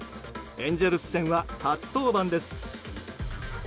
エンゼルス戦は初登板です。